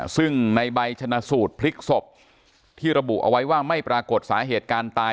ซึ่งในใบชนะสูตรพลิกศพที่ระบุเอาไว้ว่าไม่ปรากฏสาเหตุการตาย